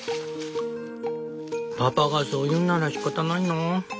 パパがそう言うんならしかたないなぁ。